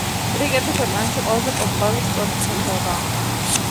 კრიკეტი ქვეყანაში ყველაზე პოპულარული სპორტის სახეობაა.